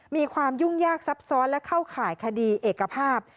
มีความยุ่งยากซับซ้อนและเข้าข่ายคดีเอกภาพ